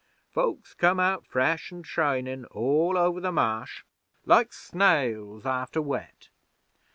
Folks come out fresh an' shinin' all over the Marsh like snails after wet.